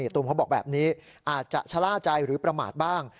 ตูมเขาบอกแบบนี้อาจจะชะล่าใจหรือประมาทบ้าง